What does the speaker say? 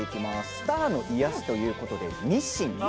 スターの癒やしということでミシン。